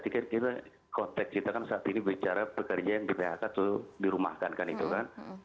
saya kira konteks kita kan saat ini bicara pekerja yang di phk tuh dirumahkan kan itu kan